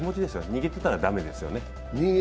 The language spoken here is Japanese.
逃げてたら駄目ですよね。